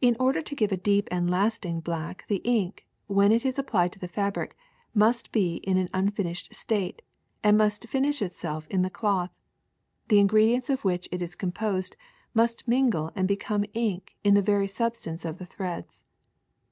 In order to give a deep and lasting black the ink, when it is applied to the fabric, must be in an unfinished state, and it must finish itself in the cloth ; the ingredients of which it is composed must mingle and become ink in the very substance of the threads.